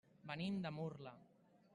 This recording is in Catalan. Venim de Murla.